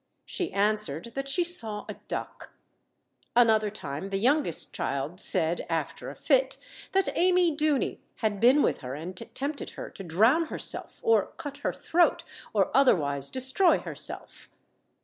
She answered that she saw a duck. Another time the youngest child said, after a fit, that Amy Duny had been with her, and tempted her to drown herself, or cut her throat, or otherwise destroy herself.